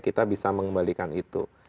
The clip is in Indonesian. kita bisa mengembalikan itu